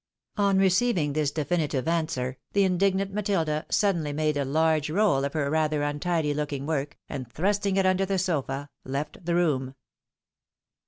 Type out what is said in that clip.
On receiving this definite answer, the indignant Matilda suddenly made a large roll of her rather untidy looking work, and thrusting it under the sofa, left the room.